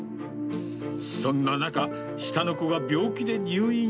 そんな中、下の子が病気で入院。